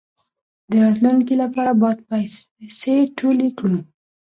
د راتلونکي لپاره باید پیسې ټولې کړو.